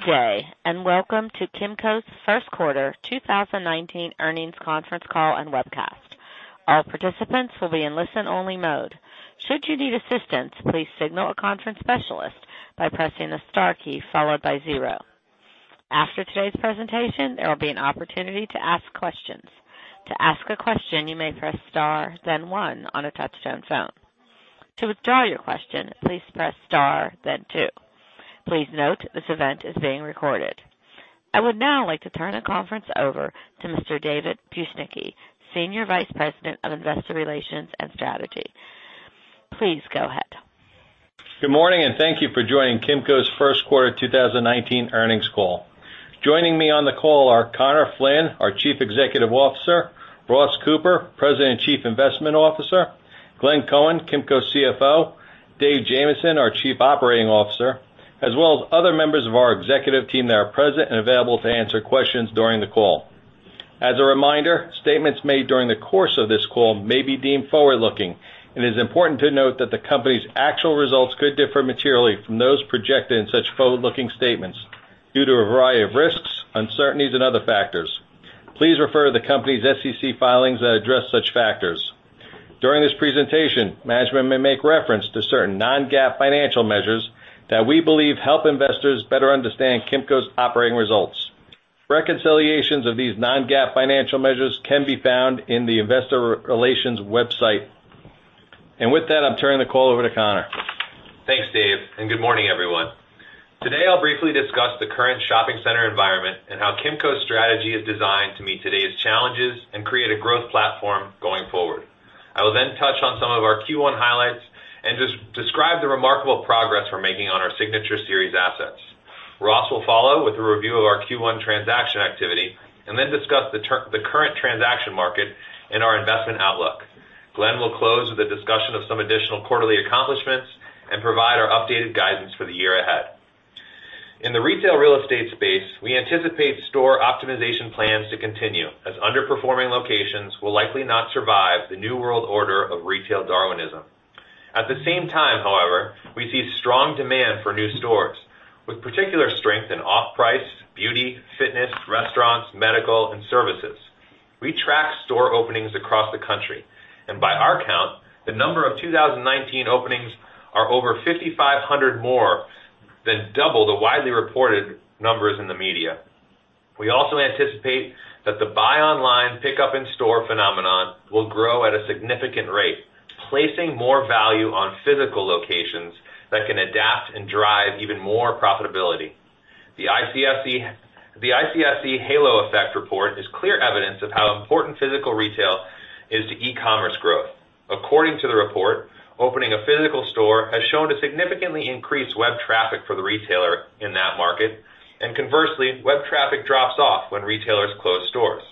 Good day, and welcome to Kimco's first quarter 2019 earnings conference call and webcast. All participants will be in listen-only mode. Should you need assistance, please signal a conference specialist by pressing the star key followed by zero. To ask a question, you may press star then one on a touch-tone phone. To withdraw your question, please press star then two. Please note this event is being recorded. I would now like to turn the conference over to Mr. David Bujnicki, Senior Vice President, Investor Relations and Strategy. Please go ahead. Good morning, thank you for joining Kimco's first quarter 2019 earnings call. Joining me on the call are Conor Flynn, our Chief Executive Officer, Ross Cooper, President and Chief Investment Officer, Glenn Cohen, Kimco CFO, Dave Jamieson, our Chief Operating Officer, as well as other members of our executive team that are present and available to answer questions during the call. As a reminder, statements made during the course of this call may be deemed forward-looking, it is important to note that the company's actual results could differ materially from those projected in such forward-looking statements due to a variety of risks, uncertainties, and other factors. Please refer to the company's SEC filings that address such factors. During this presentation, management may make reference to certain non-GAAP financial measures that we believe help investors better understand Kimco's operating results. Reconciliations of these non-GAAP financial measures can be found on the investor relations website. With that, I'm turning the call over to Conor. Thanks, Dave, good morning, everyone. Today, I'll briefly discuss the current shopping center environment, how Kimco's strategy is designed to meet today's challenges and create a growth platform going forward. I will then touch on some of our Q1 highlights, describe the remarkable progress we're making on our Signature Series assets. Ross will follow with a review of our Q1 transaction activity, then discuss the current transaction market and our investment outlook. Glenn will close with a discussion of some additional quarterly accomplishments, provide our updated guidance for the year ahead. In the retail real estate space, we anticipate store optimization plans to continue, as underperforming locations will likely not survive the new world order of retail Darwinism. At the same time, however, we see strong demand for new stores, with particular strength in off-price, beauty, fitness, restaurants, medical, and services. By our count, the number of 2019 openings are over 5,500 more than double the widely reported numbers in the media. We also anticipate that the buy online, pickup in-store phenomenon will grow at a significant rate, placing more value on physical locations that can adapt and drive even more profitability. The ICSC Halo Effect Report is clear evidence of how important physical retail is to e-commerce growth. According to the report, opening a physical store has shown to significantly increase web traffic for the retailer in that market. Conversely, web traffic drops off when retailers close stores.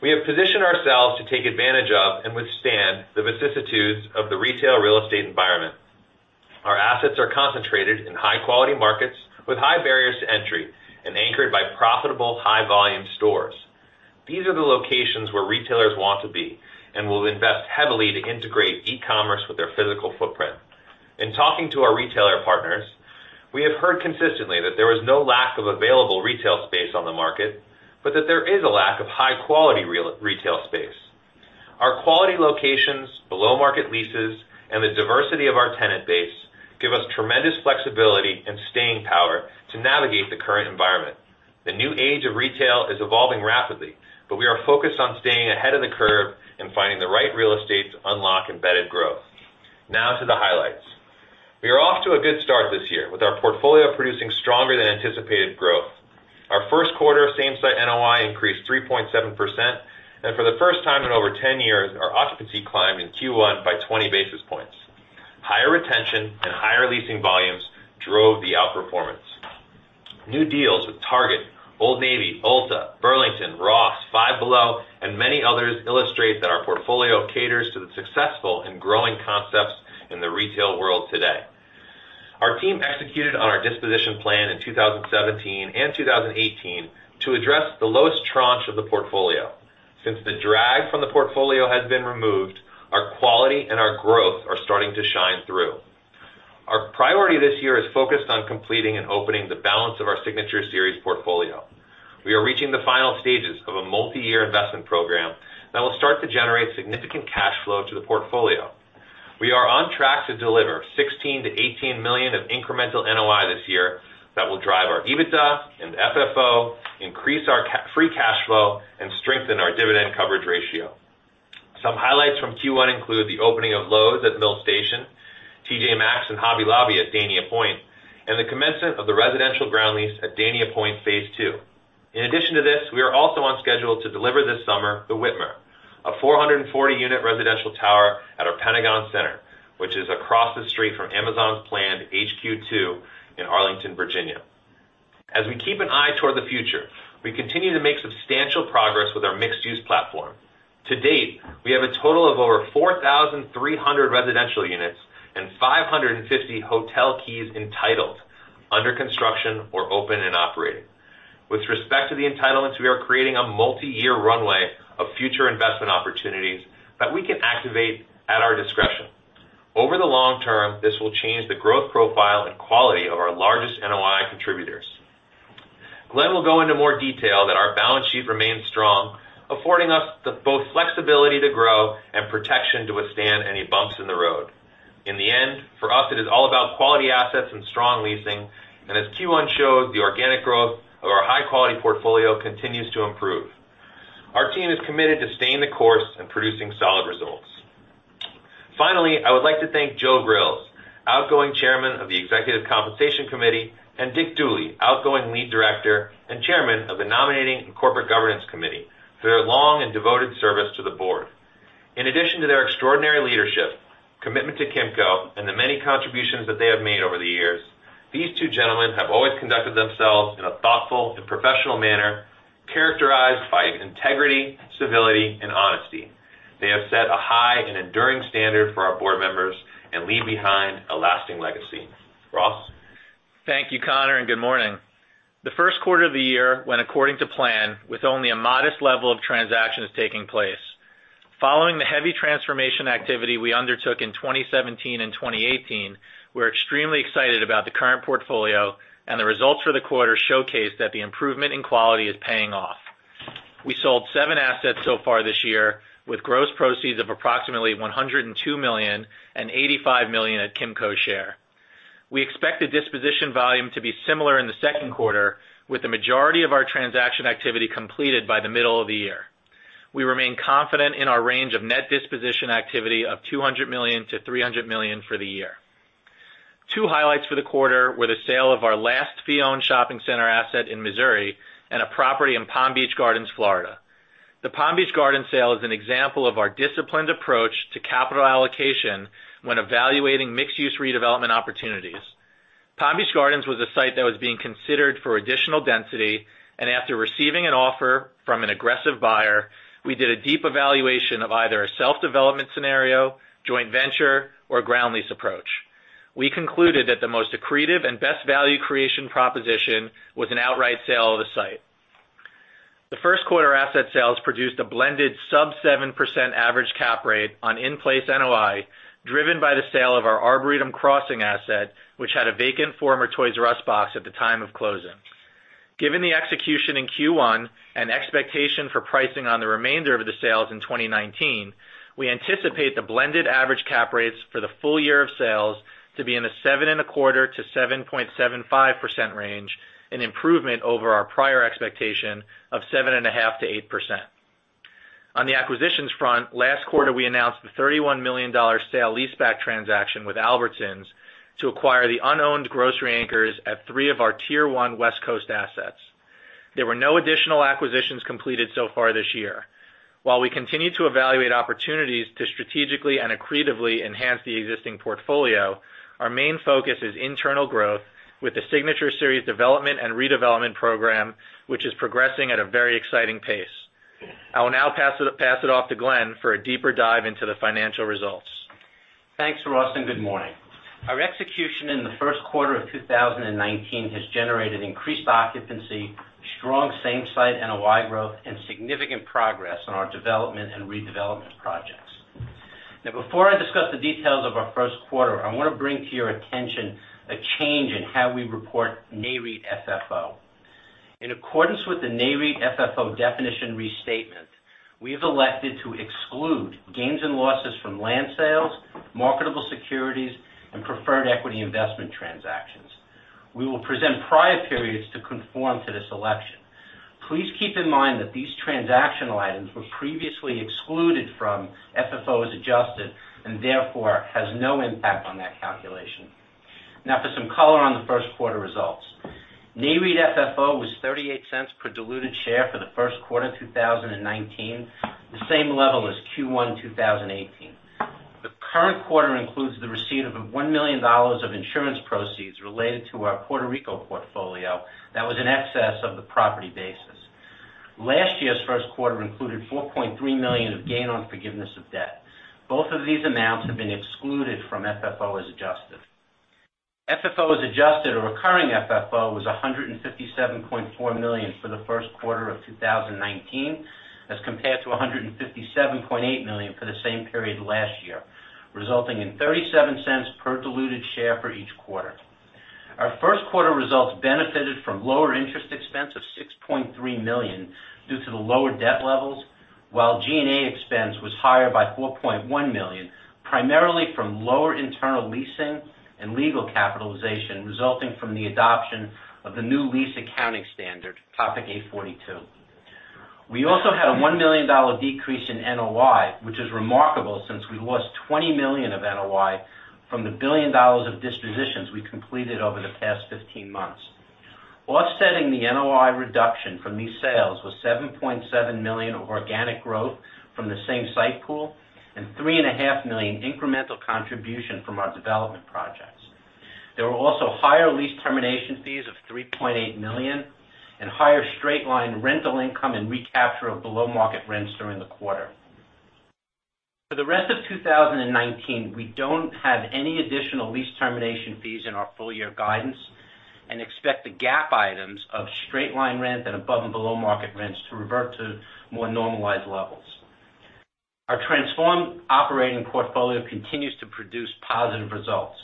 We have positioned ourselves to take advantage of and withstand the vicissitudes of the retail real estate environment. Our assets are concentrated in high-quality markets with high barriers to entry and anchored by profitable high-volume stores. These are the locations where retailers want to be. Will invest heavily to integrate e-commerce with their physical footprint. In talking to our retailer partners, we have heard consistently that there is no lack of available retail space on the market, that there is a lack of high-quality retail space. Our quality locations, below-market leases, and the diversity of our tenant base give us tremendous flexibility and staying power to navigate the current environment. The new age of retail is evolving rapidly, we are focused on staying ahead of the curve and finding the right real estate to unlock embedded growth. Now to the highlights. We are off to a good start this year, with our portfolio producing stronger-than-anticipated growth. Our first quarter same-site NOI increased 3.7%, and for the first time in over 10 years, our occupancy climbed in Q1 by 20 basis points. Higher retention and higher leasing volumes drove the outperformance. New deals with Target, Old Navy, Ulta Beauty, Burlington, Ross, Five Below, many others illustrate that our portfolio caters to the successful and growing concepts in the retail world today. Our team executed on our disposition plan in 2017 and 2018 to address the lowest tranche of the portfolio. Since the drag from the portfolio has been removed, our quality and our growth are starting to shine through. Our priority this year is focused on completing and opening the balance of our Signature Series portfolio. We are reaching the final stages of a multi-year investment program that will start to generate significant cash flow to the portfolio. We are on track to deliver $16 million to $18 million of incremental NOI this year that will drive our EBITDA and FFO, increase our free cash flow, strengthen our dividend coverage ratio. Some highlights from Q1 include the opening of Lowe's at Mill Station, TJ Maxx and Hobby Lobby at Dania Pointe, the commencement of the residential ground lease at Dania Pointe phase two. In addition to this, we are also on schedule to deliver this summer The Witmer, a 440-unit residential tower at our Pentagon Centre, which is across the street from Amazon's planned HQ2 in Arlington, Virginia. As we keep an eye toward the future, we continue to make substantial progress with our mixed-use platform. To date, we have a total of over 4,300 residential units and 550 hotel keys entitled, under construction, or open-to the entitlements, we are creating a multi-year runway of future investment opportunities that we can activate at our discretion. Over the long term, this will change the growth profile and quality of our largest NOI contributors. Glenn will go into more detail that our balance sheet remains strong, affording us both flexibility to grow and protection to withstand any bumps in the road. In the end, for us, it is all about quality assets and strong leasing, and as Q1 shows, the organic growth of our high-quality portfolio continues to improve. Our team is committed to staying the course and producing solid results. Finally, I would like to thank Joe Grills, outgoing Chairman of the Executive Compensation Committee, and Dick Dooley, outgoing Lead Director and Chairman of the Nominating and Corporate Governance Committee, for their long and devoted service to the board. In addition to their extraordinary leadership, commitment to Kimco, and the many contributions that they have made over the years, these two gentlemen have always conducted themselves in a thoughtful and professional manner characterized by integrity, civility, and honesty. They have set a high and enduring standard for our board members and leave behind a lasting legacy. Ross? Thank you, Conor. Good morning. The first quarter of the year went according to plan, with only a modest level of transactions taking place. Following the heavy transformation activity we undertook in 2017 and 2018, we're extremely excited about the current portfolio, and the results for the quarter showcase that the improvement in quality is paying off. We sold 7 assets so far this year, with gross proceeds of approximately $102 million and $85 million at Kimco share. We expect the disposition volume to be similar in the second quarter, with the majority of our transaction activity completed by the middle of the year. We remain confident in our range of net disposition activity of $200 million-$300 million for the year. 2 highlights for the quarter were the sale of our last fee-owned shopping center asset in Missouri and a property in Palm Beach Gardens, Florida. The Palm Beach Gardens sale is an example of our disciplined approach to capital allocation when evaluating mixed-use redevelopment opportunities. Palm Beach Gardens was a site that was being considered for additional density, and after receiving an offer from an aggressive buyer, we did a deep evaluation of either a self-development scenario, joint venture, or ground lease approach. We concluded that the most accretive and best value creation proposition was an outright sale of the site. The first quarter asset sales produced a blended sub 7% average cap rate on in-place NOI, driven by the sale of our Arboretum Crossing asset, which had a vacant former Toys "R" Us box at the time of closing. Given the execution in Q1 and expectation for pricing on the remainder of the sales in 2019, we anticipate the blended average cap rates for the full year of sales to be in the 7.25%-7.75% range, an improvement over our prior expectation of 7.5%-8%. On the acquisitions front, last quarter we announced the $31 million sale-leaseback transaction with Albertsons to acquire the unowned grocery anchors at three of our tier 1 West Coast assets. There were no additional acquisitions completed so far this year. While we continue to evaluate opportunities to strategically and accretively enhance the existing portfolio, our main focus is internal growth with the Signature Series development and redevelopment program, which is progressing at a very exciting pace. I will now pass it off to Glenn for a deeper dive into the financial results. Thanks, Ross. Good morning. Our execution in the first quarter of 2019 has generated increased occupancy, strong same-site NOI growth, and significant progress on our development and redevelopment projects. Before I discuss the details of our first quarter, I want to bring to your attention a change in how we report Nareit FFO. In accordance with the Nareit FFO definition restatement, we have elected to exclude gains and losses from land sales, marketable securities, and preferred equity investment transactions. We will present prior periods to conform to this election. Please keep in mind that these transactional items were previously excluded from FFO as adjusted. Therefore, has no impact on that calculation. For some color on the first quarter results. Nareit FFO was $0.38 per diluted share for the first quarter 2019, the same level as Q1 2018. The current quarter includes the receipt of a $1 million of insurance proceeds related to our Puerto Rico portfolio that was in excess of the property basis. Last year's first quarter included $4.3 million of gain on forgiveness of debt. Both of these amounts have been excluded from FFO as adjusted. FFO as adjusted, or recurring FFO, was $157.4 million for the first quarter of 2019, as compared to $157.8 million for the same period last year, resulting in $0.37 per diluted share for each quarter. Our first quarter results benefited from lower interest expense of $6.3 million due to the lower debt levels, while G&A expense was higher by $4.1 million, primarily from lower internal leasing and legal capitalization resulting from the adoption of the new lease accounting standard, Topic 842. We also had a $1 million decrease in NOI, which is remarkable since we lost $20 million of NOI from the $1 billion of dispositions we completed over the past 15 months. Offsetting the NOI reduction from these sales was $7.7 million of organic growth from the same-site pool and $3.5 million incremental contribution from our development projects. There were also higher lease termination fees of $3.8 million and higher straight-line rental income and recapture of below-market rents during the quarter. For the rest of 2019, we don't have any additional lease termination fees in our full-year guidance and expect the GAAP items of straight-line rent and above and below-market rents to revert to more normalized levels. Our transformed operating portfolio continues to produce positive results.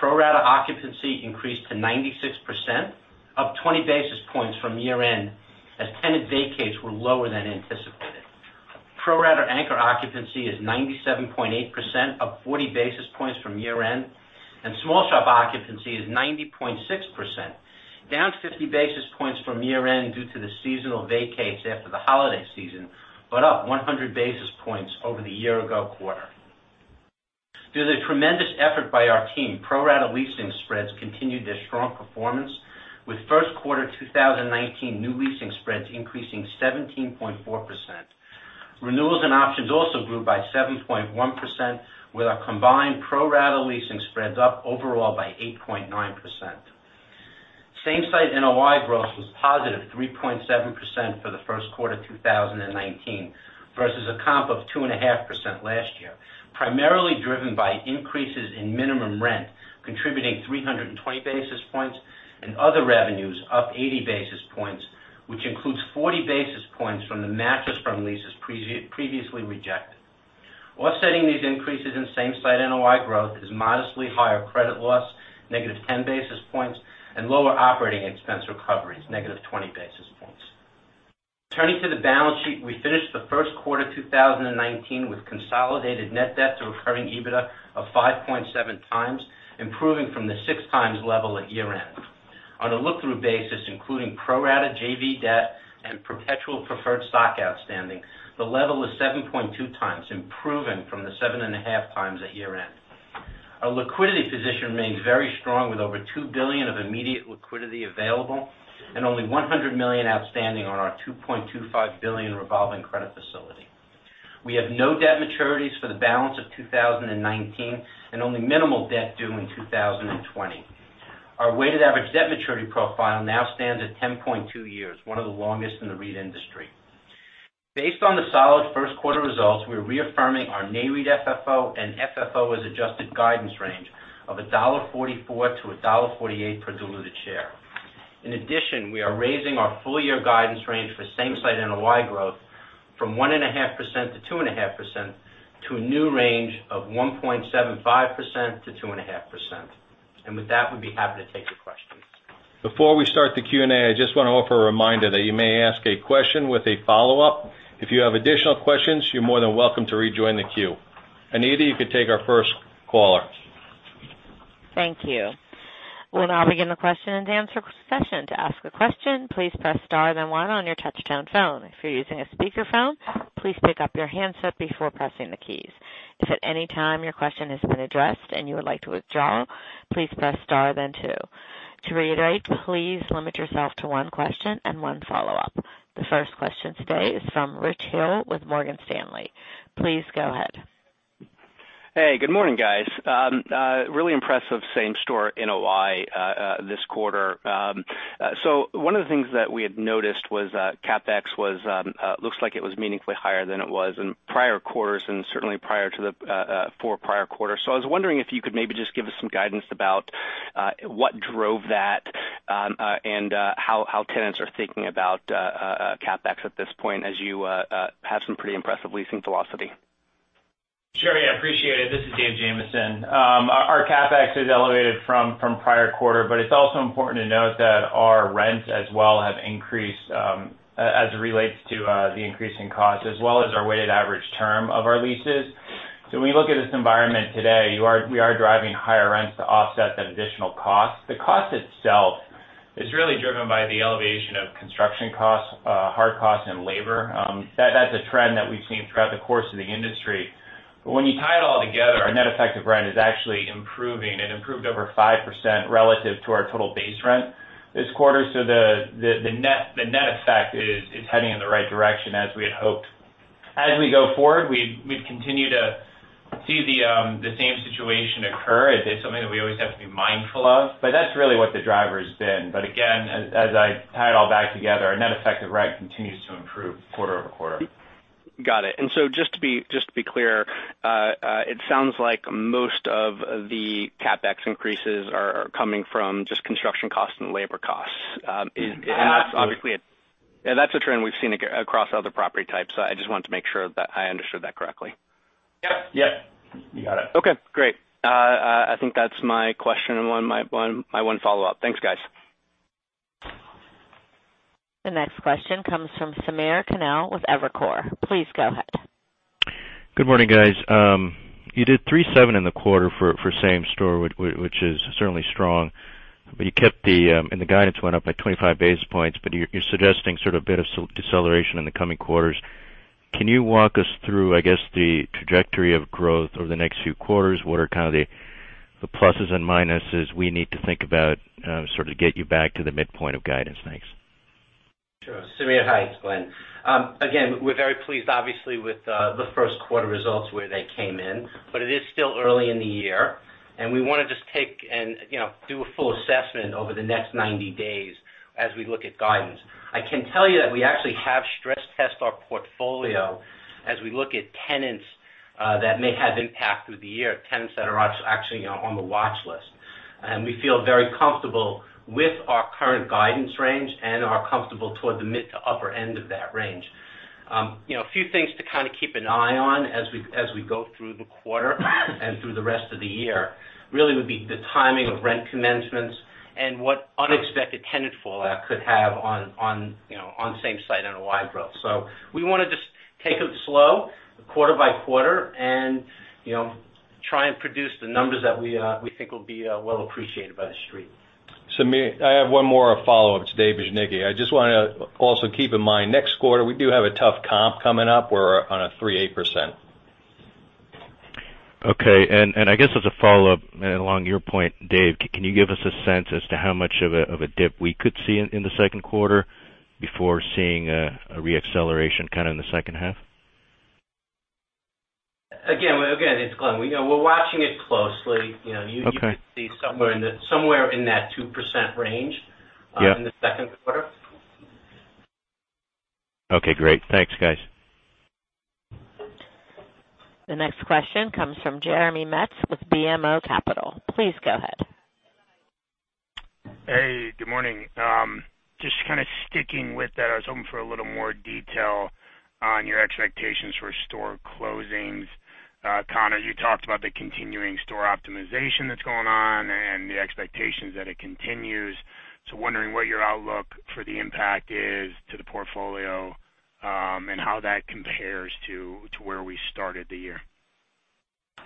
Pro rata occupancy increased to 96%, up 20 basis points from year-end, as tenant vacates were lower than anticipated. Pro rata anchor occupancy is 97.8%, up 40 basis points from year-end, and small shop occupancy is 90.6%, down 50 basis points from year-end due to the seasonal vacates after the holiday season, but up 100 basis points over the year-ago quarter. Through the tremendous effort by our team, pro rata leasing spreads continued their strong performance with first quarter 2019 new leasing spreads increasing 17.4%. Renewals and options also grew by 7.1%, with our combined pro rata leasing spreads up overall by 8.9%. Same-site NOI growth was positive 3.7% for the first quarter of 2019 versus a comp of 2.5% last year, primarily driven by increases in minimum rent, contributing 320 basis points and other revenues up 80 basis points, which includes 40 basis points from the Mattress Firm leases previously rejected. Offsetting these increases in same-site NOI growth is modestly higher credit loss, negative 10 basis points, and lower operating expense recoveries, negative 20 basis points. Turning to the balance sheet, we finished the first quarter of 2019 with consolidated net debt to recurring EBITDA of 5.7 times, improving from the 6 times level at year-end. On a look-through basis, including pro-rata JV debt and perpetual preferred stock outstanding, the level is 7.2 times, improving from the 7.5 times at year-end. Our liquidity position remains very strong with over $2 billion of immediate liquidity available and only $100 million outstanding on our $2.25 billion revolving credit facility. We have no debt maturities for the balance of 2019 and only minimal debt due in 2020. Our weighted average debt maturity profile now stands at 10.2 years, one of the longest in the REIT industry. Based on the solid first quarter results, we're reaffirming our NAREIT FFO and FFO as adjusted guidance range of $1.44-$1.48 per diluted share. In addition, we are raising our full-year guidance range for same-site NOI growth from 1.5%-2.5% to a new range of 1.75%-2.5%. With that, we'd be happy to take your questions. Before we start the Q&A, I just want to offer a reminder that you may ask a question with a follow-up. If you have additional questions, you're more than welcome to rejoin the queue. Anita, you can take our first caller. Thank you. We'll now begin the question and answer session. To ask a question, please press star, then one on your touchtone phone. If you're using a speakerphone, please pick up your handset before pressing the keys. If at any time your question has been addressed and you would like to withdraw, please press star then two. To reiterate, please limit yourself to one question and one follow-up. The first question today is from Richard Hill with Morgan Stanley. Please go ahead. Hey, good morning, guys. Really impressive same-site NOI this quarter. One of the things that we had noticed was CapEx looks like it was meaningfully higher than it was in prior quarters and certainly prior to the four prior quarters. I was wondering if you could maybe just give us some guidance about what drove that and how tenants are thinking about CapEx at this point as you have some pretty impressive leasing velocity. Sure, yeah. Appreciate it. This is David Jamieson. Our CapEx is elevated from prior quarter, it's also important to note that our rents as well have increased as it relates to the increase in cost, as well as our weighted average term of our leases. When we look at this environment today, we are driving higher rents to offset that additional cost. The cost itself is really driven by the elevation of construction costs, hard costs, and labor. That's a trend that we've seen throughout the course of the industry. When you tie it all together, our net effective rent is actually improving. It improved over 5% relative to our total base rent this quarter. The net effect is heading in the right direction as we had hoped. As we go forward, we'd continue to see the same situation occur. It's something that we always have to be mindful of, that's really what the driver has been. Again, as I tie it all back together, our net effective rent continues to improve quarter-over-quarter. Got it. Just to be clear, it sounds like most of the CapEx increases are coming from just construction costs and labor costs. Yeah. That's a trend we've seen across other property types. I just wanted to make sure that I understood that correctly. Yep. You got it. Okay, great. I think that's my question and my one follow-up. Thanks, guys. The next question comes from Samir Khanal with Evercore. Please go ahead. Good morning, guys. You did 3.7% in the quarter for same-site, which is certainly strong. The guidance went up by 25 basis points, but you're suggesting sort of a bit of deceleration in the coming quarters. Can you walk us through, I guess, the trajectory of growth over the next few quarters? What are kind of the pluses and minuses we need to think about sort of to get you back to the midpoint of guidance? Thanks. Sure. Samir, hi, it's Glenn. We're very pleased, obviously, with the first quarter results where they came in, but it is still early in the year, and we want to just take and do a full assessment over the next 90 days as we look at guidance. I can tell you that we actually have stress test our portfolio as we look at tenants that may have impact through the year, tenants that are actually on the watch list. We feel very comfortable with our current guidance range and are comfortable toward the mid to upper end of that range. A few things to kind of keep an eye on as we go through the quarter and through the rest of the year, really would be the timing of rent commencements and what unexpected tenant fallout could have on same-site and NOI growth. We want to just take it slow, quarter by quarter, and try and produce the numbers that we think will be well appreciated by the street. I have one more follow-up. It's Dave. I just want to also keep in mind, next quarter, we do have a tough comp coming up. We're on a 3%-8%. Okay, as a follow-up along your point, Dave, can you give us a sense as to how much of a dip we could see in the second quarter before seeing a re-acceleration kind of in the second half? Again, it's Glenn. We're watching it closely. Okay. You could see somewhere in that 2% range. Yeah in the second quarter. Okay, great. Thanks, guys. The next question comes from Jeremy Metz with BMO Capital. Please go ahead. Hey, good morning. Just kind of sticking with that, I was hoping for a little more detail on your expectations for store closings. Conor, you talked about the continuing store optimization that's going on and the expectations that it continues. Wondering what your outlook for the impact is to the portfolio, and how that compares to where we started the year.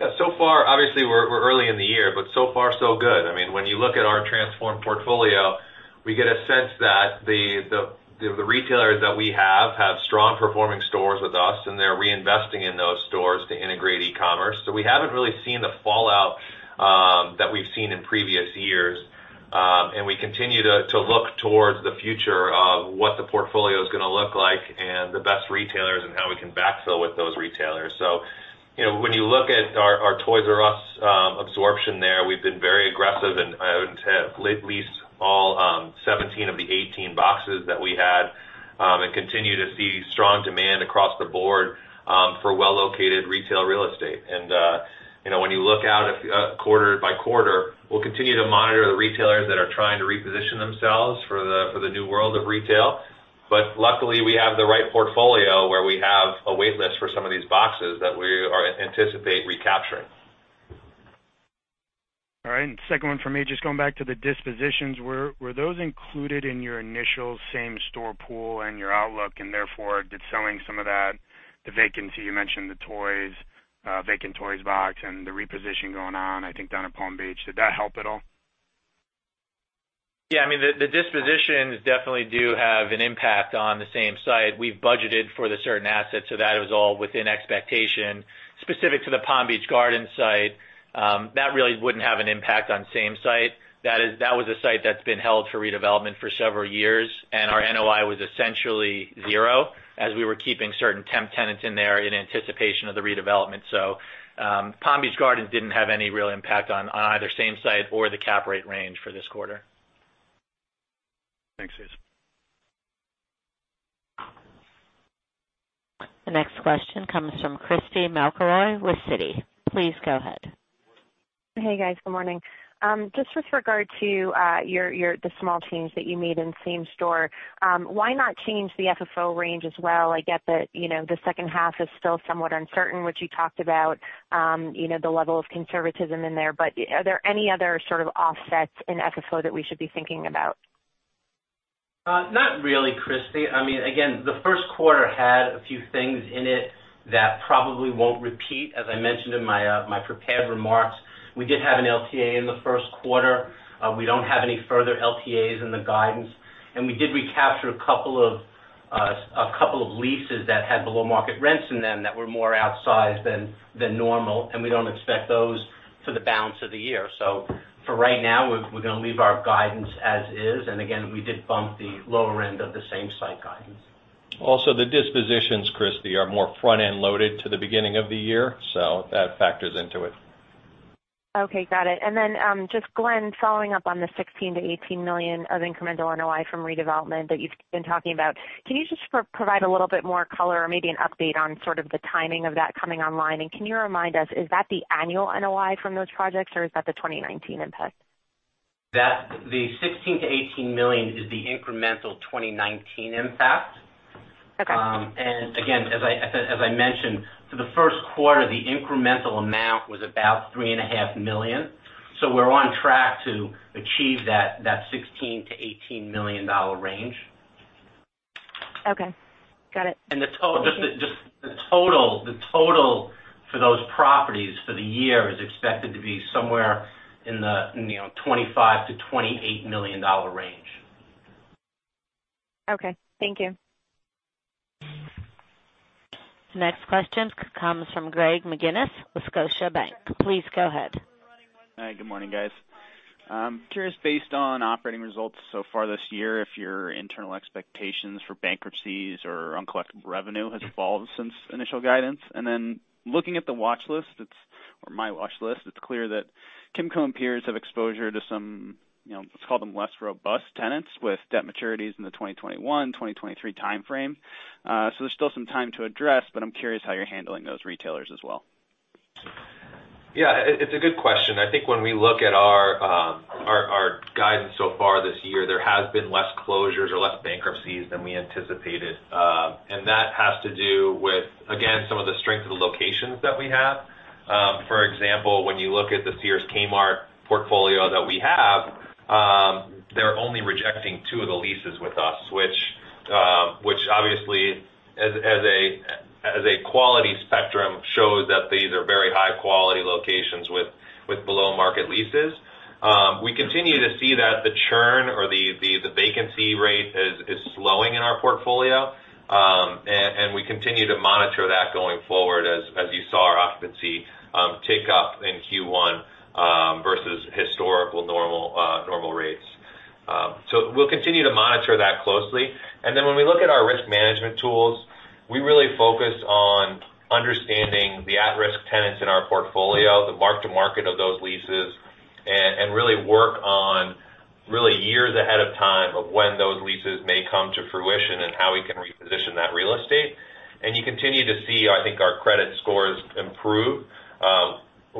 Yeah. So far, obviously we're early in the year, but so far so good. I mean, when you look at our transformed portfolio, we get a sense that the retailers that we have had strong performing stores with us, and they're reinvesting in those stores to integrate e-commerce. We haven't really seen the fallout that we've seen in previous years. We continue to look towards the future of what the portfolio's going to look like and the best retailers and how we can backfill with those retailers. When you look at our Toys "R" Us absorption there, we've been very aggressive and have leased all 17 of the 18 boxes that we had, and continue to see strong demand across the board for well-located retail real estate. When you look out quarter by quarter, we'll continue to monitor the retailers that are trying to reposition themselves for the new world of retail. Luckily, we have the right portfolio where we have a wait list for some of these boxes that we are anticipate recapturing. All right. Second one for me, just going back to the dispositions. Were those included in your initial same-store pool and your outlook, and therefore did selling some of that, the vacancy, you mentioned the vacant toys box and the reposition going on, I think down in Palm Beach, did that help at all? Yeah. I mean, the dispositions definitely do have an impact on the same site. We've budgeted for the certain assets, that was all within expectation. Specific to the Palm Beach Gardens site, that really wouldn't have an impact on same site. That was a site that's been held for redevelopment for several years, and our NOI was essentially 0 as we were keeping certain temp tenants in there in anticipation of the redevelopment. Palm Beach Gardens didn't have any real impact on either same site or the cap rate range for this quarter. Thanks, guys. The next question comes from Christy McElroy with Citi. Please go ahead. Hey, guys. Good morning. Just with regard to the small change that you made in same-site. Why not change the FFO range as well? I get that the second half is still somewhat uncertain, which you talked about, the level of conservatism in there. Are there any other sort of offsets in FFO that we should be thinking about? Not really, Christy. I mean, again, the first quarter had a few things in it that probably won't repeat. As I mentioned in my prepared remarks, we did have an LTA in the first quarter. We don't have any further LTAs in the guidance. We did recapture a couple of leases that had below-market rents in them that were more outsized than normal, and we don't expect those for the balance of the year. For right now, we're going to leave our guidance as is. Again, we did bump the lower end of the same-site guidance. The dispositions, Christy, are more front-end loaded to the beginning of the year, so that factors into it. Okay, got it. Just Glenn, following up on the $16 million-$18 million of incremental NOI from redevelopment that you've been talking about. Can you just provide a little bit more color or maybe an update on sort of the timing of that coming online? Can you remind us, is that the annual NOI from those projects, or is that the 2019 impact? That the $16 million-$18 million is the incremental 2019 impact. Okay. Again, as I mentioned, for the first quarter, the incremental amount was about $three and a half million. We're on track to achieve that $16 million-$18 million range. Okay. Got it. The total for those properties for the year is expected to be somewhere in the $25 million-$28 million range. Okay. Thank you. Next question comes from Greg McGinniss with Scotiabank. Please go ahead. Hi. Good morning, guys. I'm curious, based on operating results so far this year, if your internal expectations for bankruptcies or uncollectible revenue has evolved since initial guidance? Looking at the watchlist or my watchlist, it's clear that Kimco peers have exposure to some Let's call them less robust tenants with debt maturities in the 2021, 2023 timeframe. There's still some time to address, but I'm curious how you're handling those retailers as well. Yeah, it's a good question. I think when we look at our guidance so far this year, there has been less closures or less bankruptcies than we anticipated. That has to do with, again, some of the strength of the locations that we have. For example, when you look at the Sears-Kmart portfolio that we have, they're only rejecting two of the leases with us, which obviously, as a quality spectrum, shows that these are very high-quality locations with below-market leases. We continue to see that the churn or the vacancy rate is slowing in our portfolio. We continue to monitor that going forward as you saw our occupancy tick up in Q1 versus historical normal rates. We'll continue to monitor that closely. When we look at our risk management tools, we really focus on understanding the at-risk tenants in our portfolio, the mark-to-market of those leases, and really work on really years ahead of time of when those leases may come to fruition and how we can reposition that real estate. You continue to see, I think, our credit scores improve.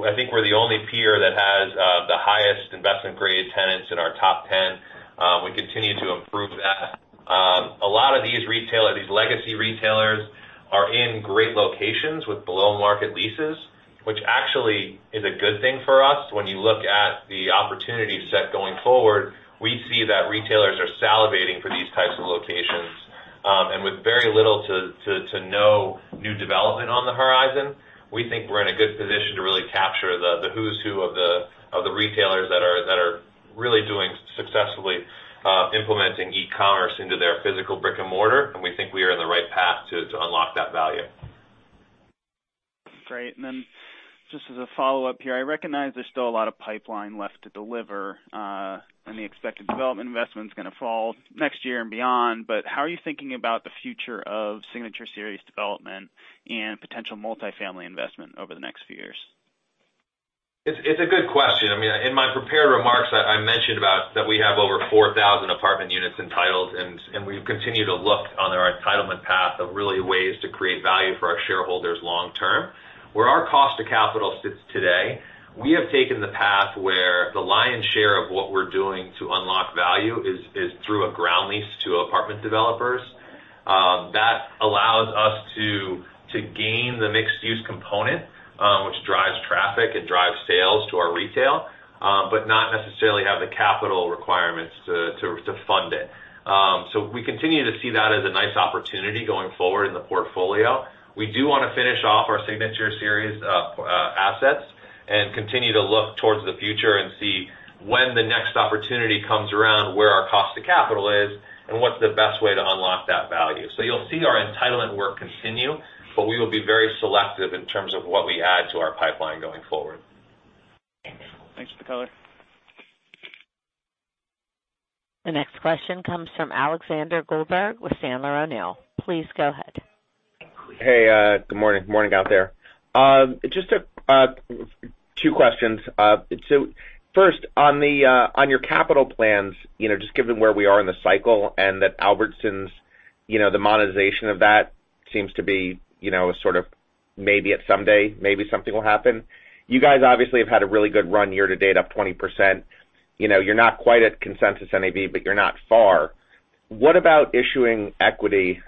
I think we're the only peer that has the highest investment-grade tenants in our top 10. We continue to improve that. A lot of these legacy retailers are in great locations with below-market leases, which actually is a good thing for us. When you look at the opportunity set going forward, we see that retailers are salivating for these types of locations. With very little to no new development on the horizon, we think we're in a good position to really capture the who's who of the retailers that are really doing successfully implementing e-commerce into their physical brick and mortar. We think we are in the right path to unlock that value. Great. Just as a follow-up here, I recognize there's still a lot of pipeline left to deliver, and the expected development investment is going to fall next year and beyond. How are you thinking about the future of Signature Series development and potential multifamily investment over the next few years? It's a good question. In my prepared remarks, I mentioned about that we have over 4,000 apartment units entitled, we've continued to look on our entitlement path of really ways to create value for our shareholders long term. Where our cost of capital sits today, we have taken the path where the lion's share of what we're doing to unlock value is through a ground lease to apartment developers. That allows us to gain the mixed-use component, which drives traffic and drives sales to our retail, but not necessarily have the capital requirements to fund it. We continue to see that as a nice opportunity going forward in the portfolio. We do want to finish off our Signature Series assets and continue to look towards the future and see when the next opportunity comes around, where our cost of capital is, and what's the best way to unlock that value. You'll see our entitlement work continue, we will be very selective in terms of what we add to our pipeline going forward. Thanks for the color. The next question comes from Alexander Goldfarb with Sandler O'Neill. Please go ahead. Hey, good morning. Morning out there. Just two questions. First, on your capital plans, just given where we are in the cycle and that Albertsons, the monetization of that seems to be sort of maybe at someday, maybe something will happen. You guys obviously have had a really good run year to date, up 20%. You're not quite at consensus NAV, but you're not far. What about issuing equity,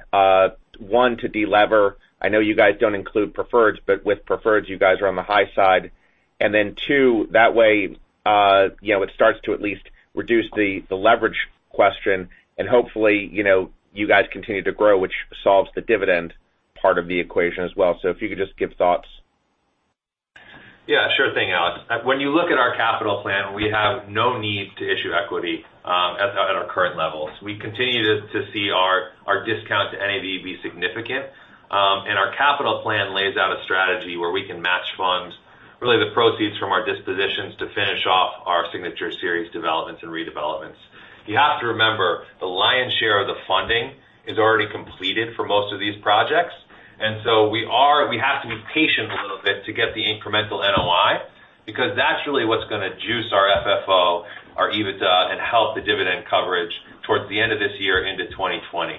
one, to delever? I know you guys don't include preferred, but with preferred, you guys are on the high side. Then two, that way, it starts to at least reduce the leverage question and hopefully, you guys continue to grow, which solves the dividend part of the equation as well. If you could just give thoughts. Yeah, sure thing, Alex. When you look at our capital plan, we have no need to issue equity at our current levels. We continue to see our discount to NAV be significant. Our capital plan lays out a strategy where we can match funds, really the proceeds from our dispositions to finish off our Signature Series developments and redevelopments. You have to remember, the lion's share of the funding is already completed for most of these projects. We have to be patient a little bit to get the incremental NOI, because that's really what's going to juice our FFO, our EBITDA, and help the dividend coverage towards the end of this year into 2020.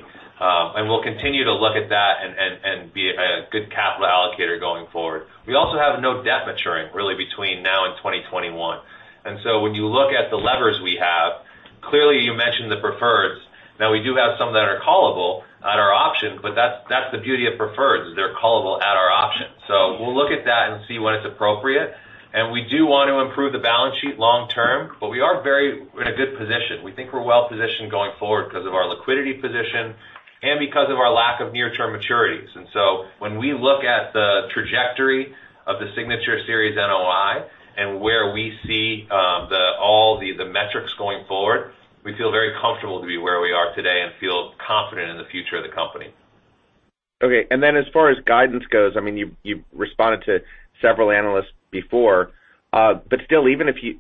We'll continue to look at that and be a good capital allocator going forward. We also have no debt maturing really between now and 2021. When you look at the levers we have, clearly you mentioned the preferreds. We do have some that are callable at our option, but that's the beauty of preferreds, is they're callable at our option. We'll look at that and see when it's appropriate. We do want to improve the balance sheet long term, but we are in a good position. We think we're well positioned going forward because of our liquidity position and because of our lack of near-term maturities. When we look at the trajectory of the Signature Series NOI and where we see all the metrics going forward, we feel very comfortable to be where we are today and feel confident in the future of the company. Okay. As far as guidance goes, you've responded to several analysts before. Still,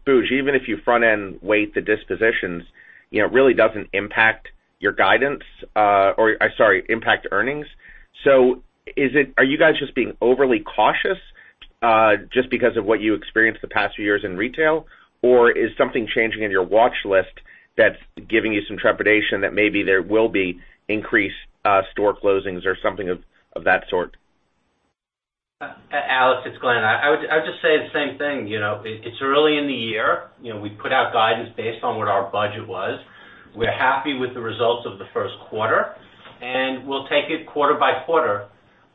Booz, even if you front-end weight the dispositions, really doesn't impact your guidance, or sorry, impact earnings. Are you guys just being overly cautious? Just because of what you experienced the past few years in retail? Is something changing in your watch list that's giving you some trepidation that maybe there will be increased store closings or something of that sort? Alex, it's Glenn. I would just say the same thing. It's early in the year. We put out guidance based on what our budget was. We're happy with the results of the first quarter, we'll take it quarter by quarter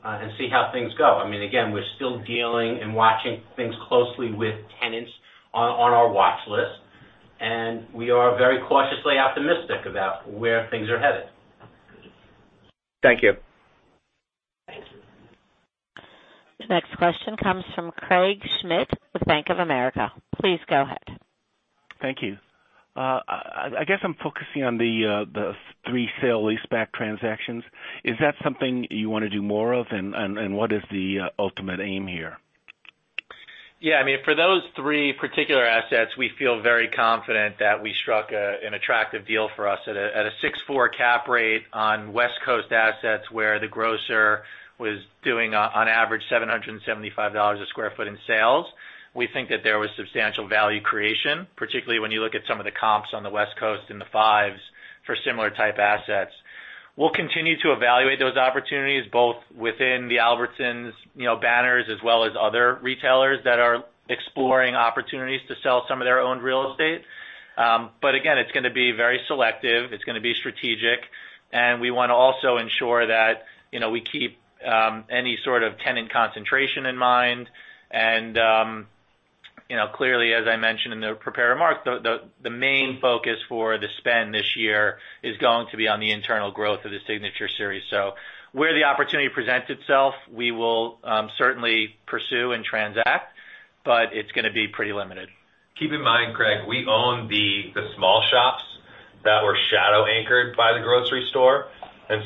and see how things go. Again, we're still dealing and watching things closely with tenants on our watch list, we are very cautiously optimistic about where things are headed. Thank you. Thank you. The next question comes from Craig Schmidt with Bank of America. Please go ahead. Thank you. I guess I'm focusing on the three sale leaseback transactions. Is that something you want to do more of, and what is the ultimate aim here? For those three particular assets, we feel very confident that we struck an attractive deal for us at a 6.4% cap rate on West Coast assets where the grocer was doing on average $775 a square foot in sales. We think that there was substantial value creation, particularly when you look at some of the comps on the West Coast in the fives for similar type assets. We'll continue to evaluate those opportunities, both within the Albertsons banners as well as other retailers that are exploring opportunities to sell some of their own real estate. But again, it's going to be very selective. It's going to be strategic, and we want to also ensure that we keep any sort of tenant concentration in mind. Clearly, as I mentioned in the prepared remarks, the main focus for the spend this year is going to be on the internal growth of the Signature Series. So where the opportunity presents itself, we will certainly pursue and transact, but it's going to be pretty limited. Keep in mind, Craig, we own the small shops that were shadow anchored by the grocery store.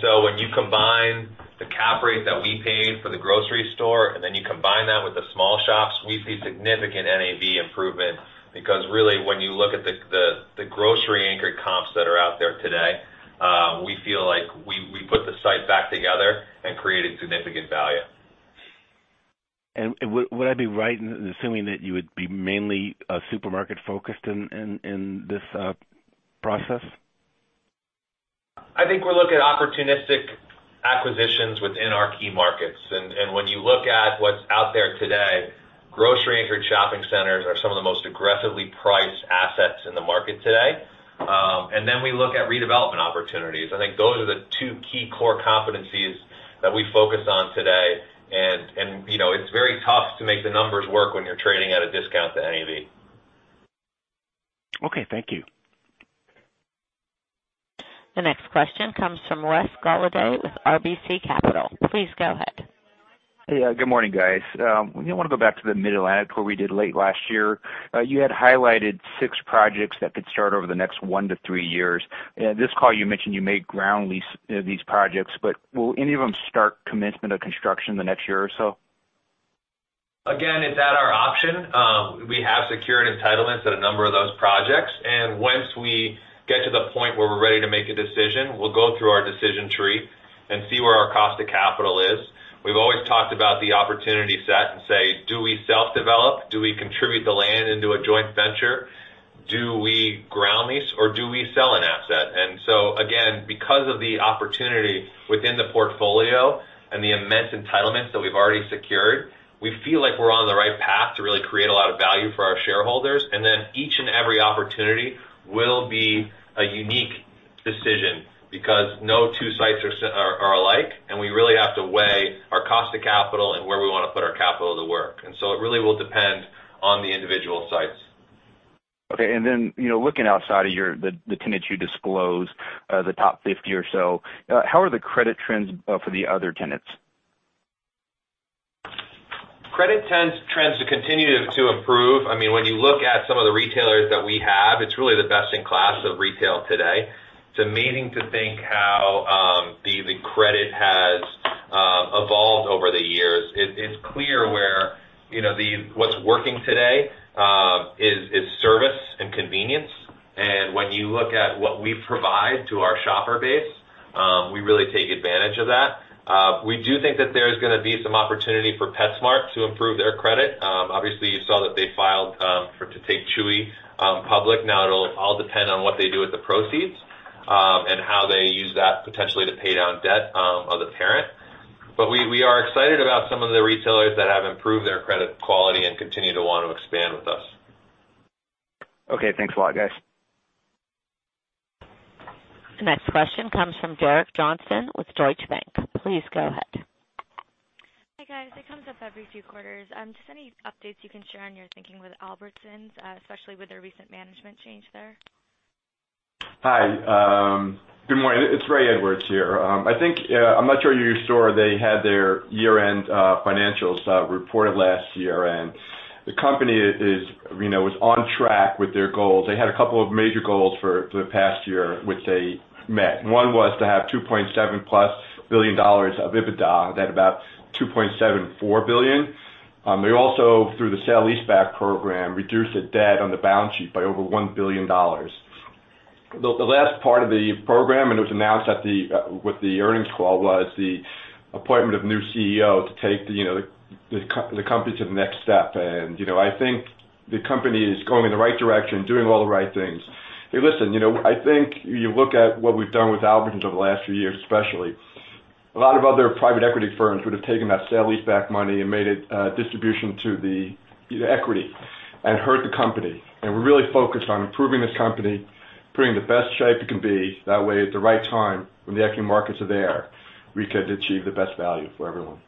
So when you combine the cap rate that we paid for the grocery store, then you combine that with the small shops, we see significant NAV improvements because really, when you look at the grocery anchored comps that are out there today, we feel like we put the site back together and created significant value. Would I be right in assuming that you would be mainly supermarket focused in this process? I think we're looking at opportunistic acquisitions within our key markets. When you look at what's out there today, grocery anchored shopping centers are some of the most aggressively priced assets in the market today. Then we look at redevelopment opportunities. I think those are the two key core competencies that we focus on today. It's very tough to make the numbers work when you're trading at a discount to NAV. Okay, thank you. The next question comes from Wes Golladay with RBC Capital. Please go ahead. Hey, good morning, guys. I want to go back to the Mid-Atlantic, what we did late last year. You had highlighted six projects that could start over the next one to three years. This call, you mentioned you may ground lease these projects, will any of them start commencement of construction in the next year or so? Once we get to the point where we're ready to make a decision, we'll go through our decision tree and see where our cost of capital is. We've always talked about the opportunity set and say, do we self-develop? Do we contribute the land into a joint venture? Do we ground lease, or do we sell an asset? Again, because of the opportunity within the portfolio and the immense entitlements that we've already secured, we feel like we're on the right path to really create a lot of value for our shareholders. Each and every opportunity will be a unique decision because no two sites are alike, and we really have to weigh our cost of capital and where we want to put our capital to work. It really will depend on the individual sites. Okay. Looking outside of the tenants you disclose, the top 50 or so, how are the credit trends for the other tenants? Credit trends continue to improve. When you look at some of the retailers that we have, it's really the best in class of retail today. It's amazing to think how the credit has evolved over the years. It's clear where what's working today is service and convenience. When you look at what we provide to our shopper base, we really take advantage of that. We do think that there is going to be some opportunity for PetSmart to improve their credit. Obviously, you saw that they filed to take Chewy public. It'll all depend on what they do with the proceeds, and how they use that potentially to pay down debt of the parent. We are excited about some of the retailers that have improved their credit quality and continue to want to expand with us. Okay. Thanks a lot, guys. The next question comes from Derek Johnston with Deutsche Bank. Please go ahead. Hi, guys. It comes up every few quarters. Just any updates you can share on your thinking with Albertsons, especially with their recent management change there? Hi. Good morning. It's Raymond Edwards here. I'm not sure you saw they had their year-end financials reported last year, the company was on track with their goals. They had a couple of major goals for the past year, which they met. One was to have $2.7+ billion of EBITDA. They had about $2.74 billion. They also, through the sale leaseback program, reduced the debt on the balance sheet by over $1 billion. The last part of the program, and it was announced with the earnings call, was the appointment of new CEO to take the company to the next step. I think the company is going in the right direction, doing all the right things. Hey, listen, I think you look at what we've done with Albertsons over the last few years, especially. A lot of other private equity firms would have taken that sale leaseback money and made it distribution to the equity and hurt the company. We're really focused on improving this company, putting it in the best shape it can be. That way, at the right time, when the equity markets are there, we could achieve the best value for everyone.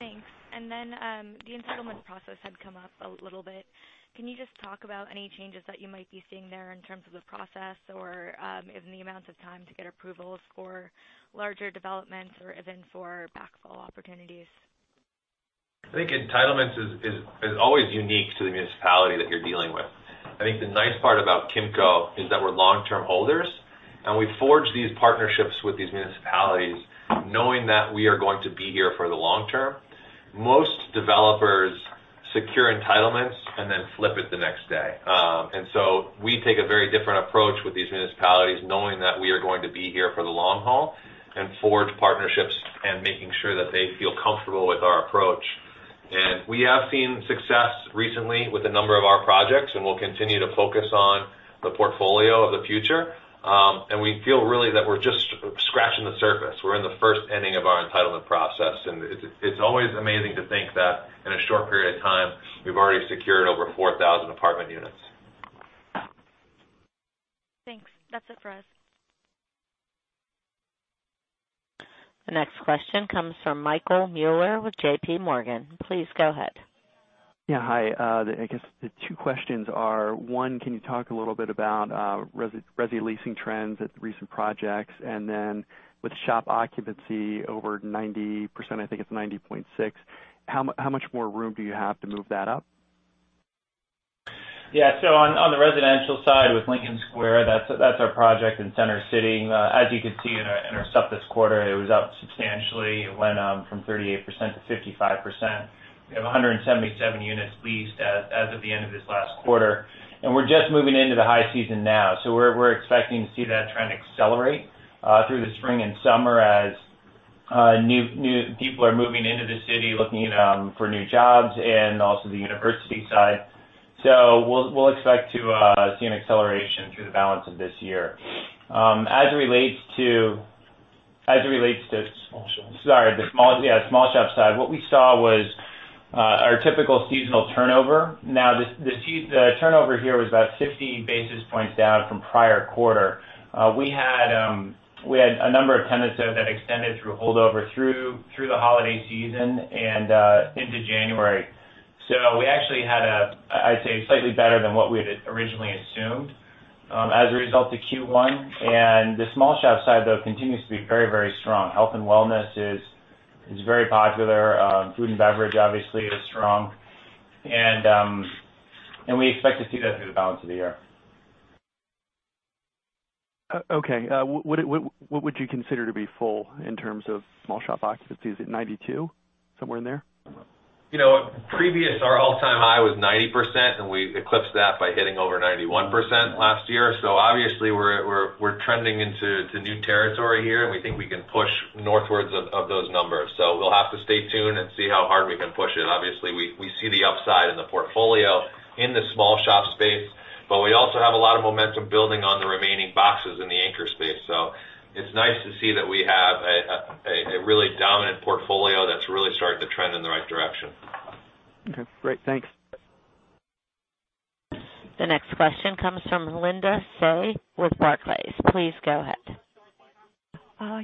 Thanks. Then, the entitlements process had come up a little bit. Can you just talk about any changes that you might be seeing there in terms of the process or even the amounts of time to get approvals for larger developments or even for backfill opportunities? I think entitlements is always unique to the municipality that you're dealing with. I think the nice part about Kimco is that we're long-term holders, and we forge these partnerships with these municipalities knowing that we are going to be here for the long term. Most developers secure entitlements and then flip it the next day. So we take a very different approach with these municipalities, knowing that we are going to be here for the long haul and forge partnerships and making sure that they feel comfortable with our approach. We have seen success recently with a number of our projects, and we'll continue to focus on the portfolio of the future. We feel really that we're just scratching the surface. We're in the first inning of our entitlement process, and it's always amazing to think that in a short period of time, we've already secured over 4,000 apartment units. Thanks. That's it for us. The next question comes from Michael Mueller with JP Morgan. Please go ahead. Hi. The two questions are, one, can you talk a little bit about resi leasing trends at the recent projects? With shop occupancy over 90%, I think it's 90.6, how much more room do you have to move that up? On the residential side with Lincoln Square, that's our project in Center City. As you could see in our stuff this quarter, it was up substantially. It went from 38% to 55%. We have 177 units leased as of the end of this last quarter. We're just moving into the high season now, we're expecting to see that trend accelerate, through the spring and summer as new people are moving into the city looking for new jobs and also the university side. We'll expect to see an acceleration through the balance of this year. Small shops. Sorry. Yeah. The small shop side. What we saw was our typical seasonal turnover. The turnover here was about 50 basis points down from prior quarter. We had a number of tenants there that extended through holdover through the holiday season and into January. We actually had, I'd say, slightly better than what we had originally assumed as a result of Q1. The small shop side, though, continues to be very, very strong. Health and wellness is very popular. Food and beverage obviously is strong, and we expect to see that through the balance of the year. Okay. What would you consider to be full in terms of small shop occupancy? Is it 92? Somewhere in there? Previous, our all-time high was 90%, and we eclipsed that by hitting over 91% last year. Obviously we're trending into new territory here, and we think we can push northwards of those numbers. We'll have to stay tuned and see how hard we can push it. Obviously, we see the upside in the portfolio in the small shop space, but we also have a lot of momentum building on the remaining boxes in the anchor space. It's nice to see that we have a really dominant portfolio that's really starting to trend in the right direction. Okay, great. Thanks. The next question comes from Linda Tsai with Barclays. Please go ahead.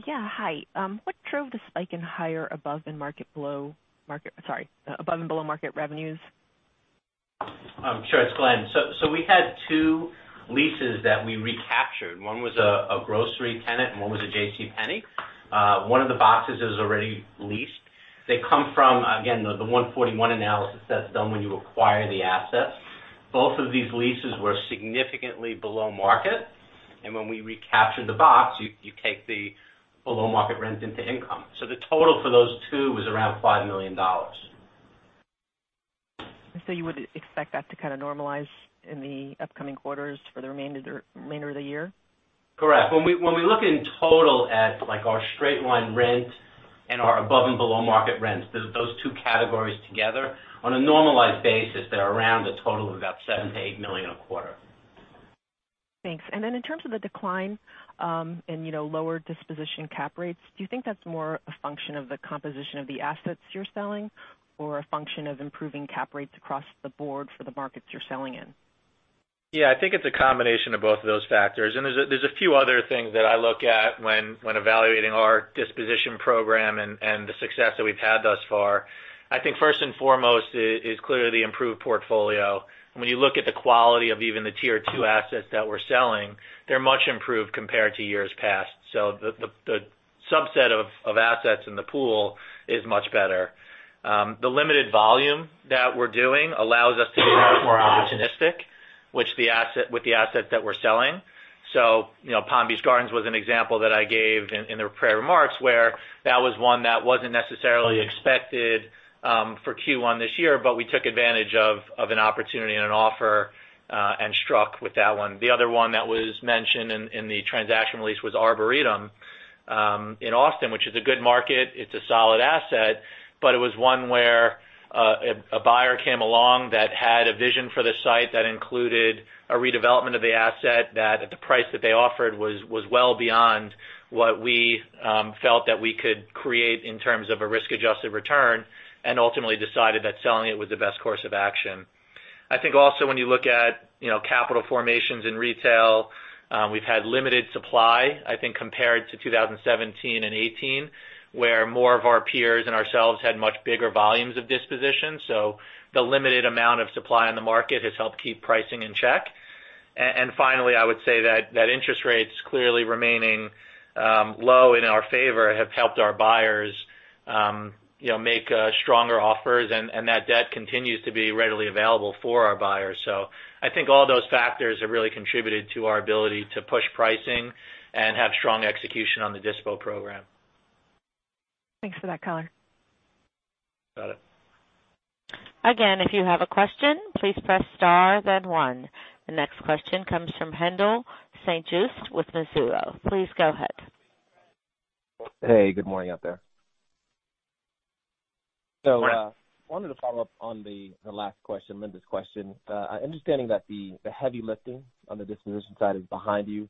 Yeah. Hi. What drove the spike in higher above and below market revenues? Sure. It's Glenn. We had two leases that we recaptured. One was a grocery tenant and one was a JCPenney. One of the boxes is already leased. They come from, again, the 141 analysis that's done when you acquire the assets. Both of these leases were significantly below market, and when we recapture the box, you take the below-market rent into income. The total for those two was around $5 million. You would expect that to kind of normalize in the upcoming quarters for the remainder of the year? Correct. When we look in total at our straight line rent and our above and below market rents, those two categories together, on a normalized basis, they're around a total of about $7 million-$8 million a quarter. Thanks. In terms of the decline, and lower disposition cap rates, do you think that's more a function of the composition of the assets you're selling or a function of improving cap rates across the board for the markets you're selling in? I think it's a combination of both of those factors, and there's a few other things that I look at when evaluating our disposition program and the success that we've had thus far. I think first and foremost is clearly the improved portfolio. When you look at the quality of even the tier 2 assets that we're selling, they're much improved compared to years past. The subset of assets in the pool is much better. The limited volume that we're doing allows us to be much more opportunistic with the assets that we're selling. Palm Beach Gardens was an example that I gave in the prepared remarks where that was one that wasn't necessarily expected for Q1 this year, but we took advantage of an opportunity and an offer, and struck with that one. The other one that was mentioned in the transaction release was Arboretum in Austin, which is a good market. It's a solid asset, but it was one where a buyer came along that had a vision for the site that included a redevelopment of the asset that at the price that they offered was well beyond what we felt that we could create in terms of a risk-adjusted return, and ultimately decided that selling it was the best course of action. I think also when you look at capital formations in retail, we've had limited supply, I think, compared to 2017 and 2018, where more of our peers and ourselves had much bigger volumes of dispositions. The limited amount of supply on the market has helped keep pricing in check. Finally, I would say that interest rates clearly remaining low in our favor have helped our buyers make stronger offers and that debt continues to be readily available for our buyers. I think all those factors have really contributed to our ability to push pricing and have strong execution on the dispo program. Thanks for that, Conor. Got it. Again, if you have a question, please press star then one. The next question comes from Haendel St. Juste with Mizuho. Please go ahead. Hey, good morning out there. I wanted to follow up on the last question, Linda's question. Understanding that the heavy lifting on the disposition side is behind you,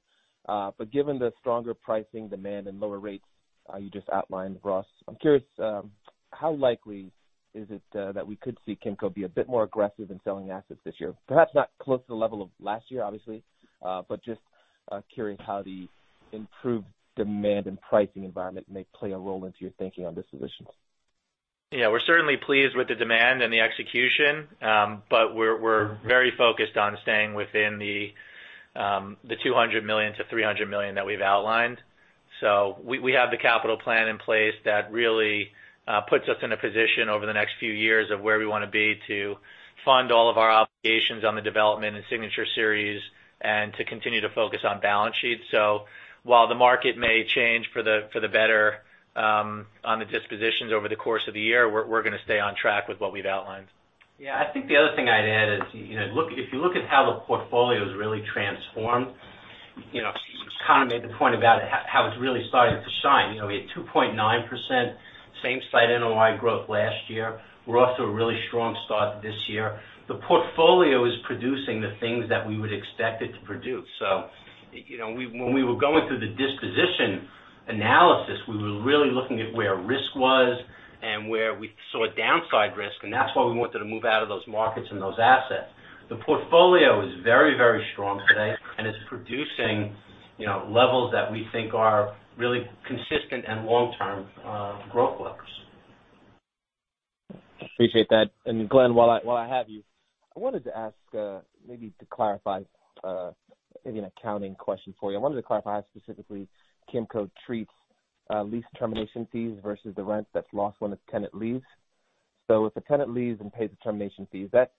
given the stronger pricing demand and lower rates you just outlined, Ross, I'm curious, how likely is it that we could see Kimco be a bit more aggressive in selling assets this year? Perhaps not close to the level of last year, obviously, just curious how the improved demand and pricing environment may play a role into your thinking on dispositions. Yeah. We're certainly pleased with the demand and the execution. We're very focused on staying within the $200 million-$300 million that we've outlined. We have the capital plan in place that really puts us in a position over the next few years of where we want to be to fund all of our obligations on the development and Signature Series and to continue to focus on balance sheets. While the market may change for the better on the dispositions over the course of the year, we're going to stay on track with what we've outlined. Yeah. I think the other thing I'd add is, if you look at how the portfolio's really transformed, Conor made the point about how it's really started to shine. We had 2.9% same-site NOI growth last year. We're off to a really strong start this year. The portfolio is producing the things that we would expect it to produce. When we were going through the disposition analysis, we were really looking at where risk was and where we saw downside risk, and that's why we wanted to move out of those markets and those assets. The portfolio is very, very strong today, and it's producing levels that we think are really consistent and long-term growth levers. Appreciate that. Glenn, while I have you, I wanted to ask, maybe to clarify maybe an accounting question for you. I wanted to clarify how specifically Kimco treats lease termination fees versus the rent that's lost when a tenant leaves. If a tenant leaves and pays the termination fees, that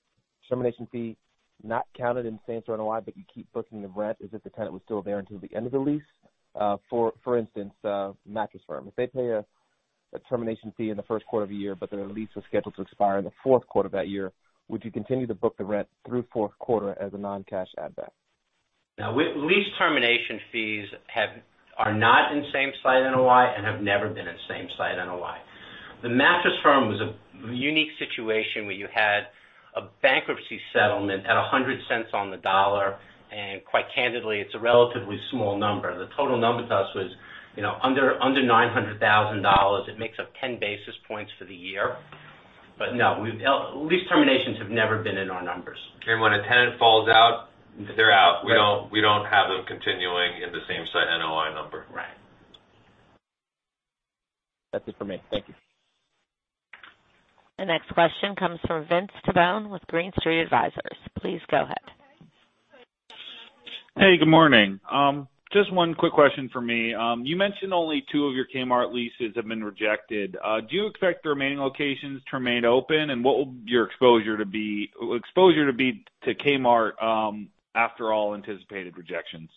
termination fee not counted in same-site NOI, but you keep booking the rent as if the tenant was still there until the end of the lease? For instance, Mattress Firm. If they pay a termination fee in the first quarter of a year, but their lease was scheduled to expire in the fourth quarter of that year, would you continue to book the rent through fourth quarter as a non-cash add back? Lease termination fees are not in same-site NOI and have never been in same-site NOI. The Mattress Firm was a unique situation where you had a bankruptcy settlement at 100 cents on the dollar, quite candidly, it's a relatively small number. The total number to us was under $900,000. It makes up 10 basis points for the year. No, lease terminations have never been in our numbers. When a tenant falls out, they're out. We don't have them continuing in the same-site NOI number. Right. That's it for me. Thank you. The next question comes from Vince Tibone with Green Street Advisors. Please go ahead. Hey, good morning. Just one quick question for me. You mentioned only two of your Kmart leases have been rejected. Do you expect the remaining locations to remain open? What will your exposure to be to Kmart after all anticipated rejections?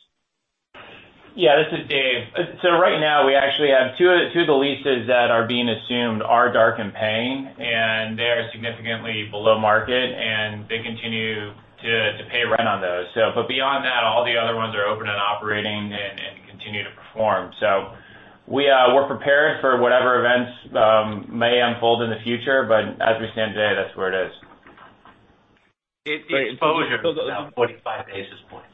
Yeah. This is Dave. Right now we actually have two of the leases that are being assumed are dark and paying, and they are significantly below market, and they continue to pay rent on those. Beyond that, all the other ones are open and operating and continue to perform. We're prepared for whatever events may unfold in the future, but as we stand today, that's where it is. The exposure is about 45 basis points.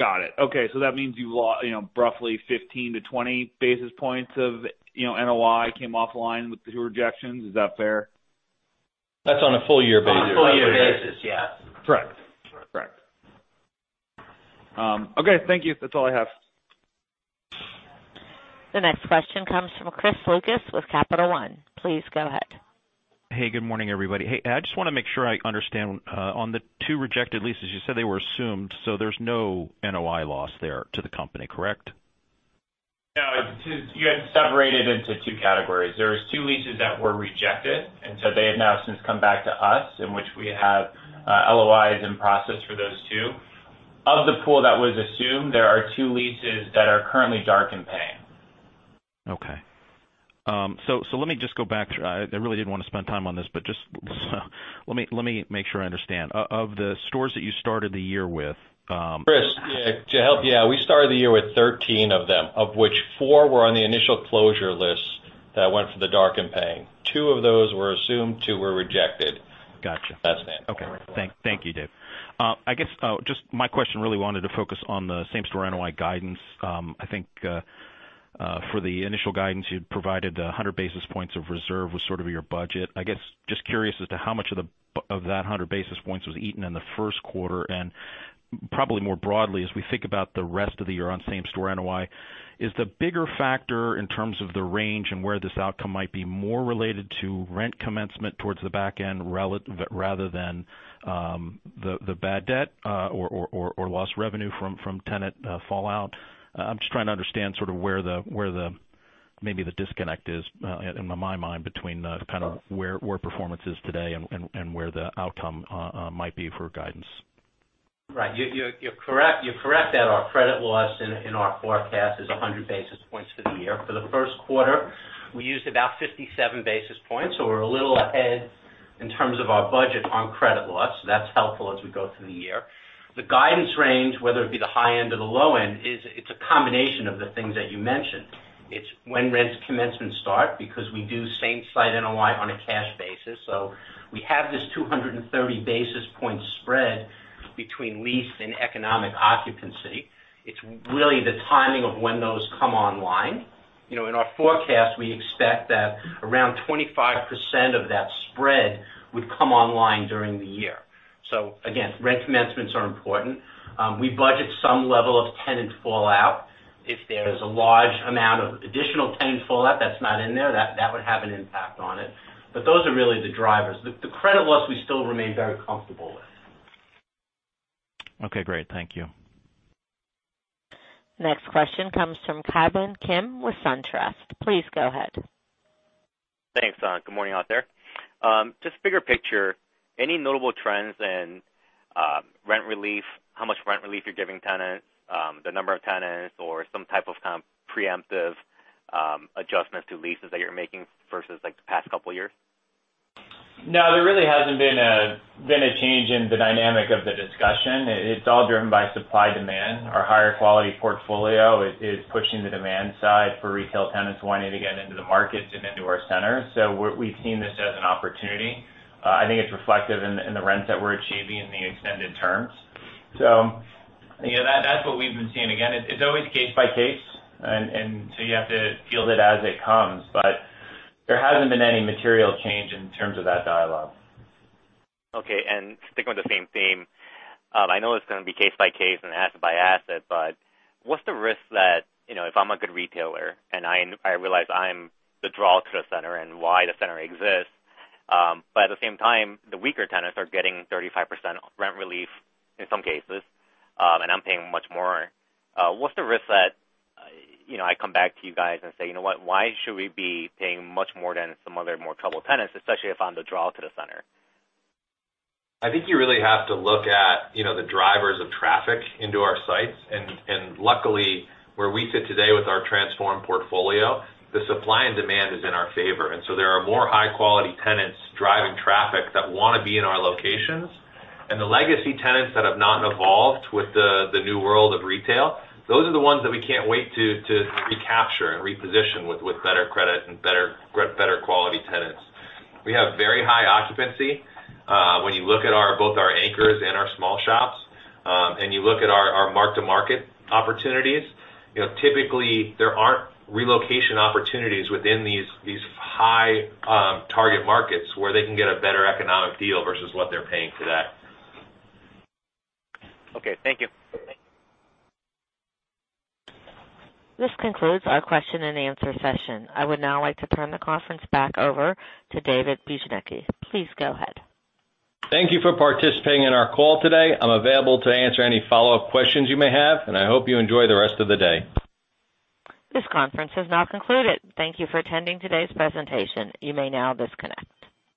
Got it. Okay. That means you've lost roughly 15-20 basis points of NOI came offline with the two rejections. Is that fair? That's on a full year basis. On a full year basis, yeah. Correct. Correct. Okay. Thank you. That's all I have. The next question comes from Chris Lucas with Capital One. Please go ahead. Hey, good morning, everybody. I just want to make sure I understand. On the two rejected leases, you said they were assumed, there's no NOI loss there to the company, correct? You had separated into two categories. There was two leases that were rejected, they have now since come back to us, in which we have LOIs in process for those two. Of the pool that was assumed, there are two leases that are currently dark and paying. Okay. Let me just go back. I really didn't want to spend time on this, just let me make sure I understand. Of the stores that you started the year with- Chris, yeah. We started the year with 13 of them, of which four were on the initial closure list that went for the dark and paying. Two of those were assumed, two were rejected. Got you. That's it. Okay. Thank you, Dave. I guess, just my question really wanted to focus on the same-site NOI guidance. I think, for the initial guidance, you'd provided 100 basis points of reserve was sort of your budget. I guess, just curious as to how much of that 100 basis points was eaten in the first quarter, and probably more broadly, as we think about the rest of the year on same-site NOI, is the bigger factor in terms of the range and where this outcome might be more related to rent commencement towards the back end rather than the bad debt, or lost revenue from tenant fallout. I'm just trying to understand sort of where maybe the disconnect is, in my mind, between kind of where performance is today and where the outcome might be for guidance. Right. You're correct that our credit loss in our forecast is 100 basis points for the year. For the first quarter, we used about 57 basis points, so we're a little ahead in terms of our budget on credit loss. That's helpful as we go through the year. The guidance range, whether it be the high end or the low end, it's a combination of the things that you mentioned. It's when rents commencement start, because we do same-site NOI on a cash basis. We have this 230 basis point spread between leased and economic occupancy. It's really the timing of when those come online. In our forecast, we expect that around 25% of that spread would come online during the year. Again, rent commencements are important. We budget some level of tenant fallout. If there's a large amount of additional tenant fallout that's not in there, that would have an impact on it. Those are really the drivers. The credit loss, we still remain very comfortable with. Okay, great. Thank you. Next question comes from Ki Bin Kim with SunTrust. Please go ahead. Thanks. Good morning, out there. Bigger picture, any notable trends in rent relief, how much rent relief you're giving tenants, the number of tenants or some type of preemptive adjustments to leases that you're making versus the past couple of years? No, there really hasn't been a change in the dynamic of the discussion. It's all driven by supply-demand. Our higher quality portfolio is pushing the demand side for retail tenants wanting to get into the markets and into our centers. We've seen this as an opportunity. I think it's reflective in the rents that we're achieving and the extended terms. That's what we've been seeing. Again, it's always case by case, you have to field it as it comes. There hasn't been any material change in terms of that dialogue. Okay. Sticking with the same theme, I know it's going to be case by case and asset by asset, but what's the risk that, if I'm a good retailer and I realize I'm the draw to the center and why the center exists, but at the same time, the weaker tenants are getting 35% rent relief in some cases, and I'm paying much more. What's the risk that I come back to you guys and say, "You know what? Why should we be paying much more than some other, more troubled tenants, especially if I'm the draw to the center? I think you really have to look at the drivers of traffic into our sites. Luckily, where we sit today with our transformed portfolio, the supply and demand is in our favor. There are more high-quality tenants driving traffic that want to be in our locations. The legacy tenants that have not evolved with the new world of retail, those are the ones that we can't wait to recapture and reposition with better credit and better quality tenants. We have very high occupancy. When you look at both our anchors and our small shops, and you look at our mark-to-market opportunities, typically, there aren't relocation opportunities within these high target markets where they can get a better economic deal versus what they're paying today. Okay, thank you. This concludes our question and answer session. I would now like to turn the conference back over to David Bujnicki. Please go ahead. Thank you for participating in our call today. I am available to answer any follow-up questions you may have, and I hope you enjoy the rest of the day. This conference has now concluded. Thank you for attending today's presentation. You may now disconnect.